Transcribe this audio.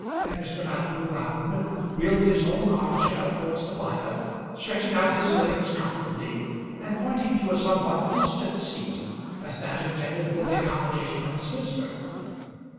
And Mr. Matthew Round wheeled his own arm chair towards the fire, stretching out his legs comfortably, and pointing to a somewhat distant seat as that intended for the accommodation of his visitor.